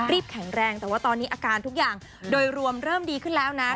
แข็งแรงแต่ว่าตอนนี้อาการทุกอย่างโดยรวมเริ่มดีขึ้นแล้วนะ